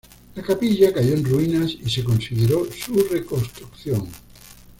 La capilla cayó en ruinas, y se consideró su reconstrucción.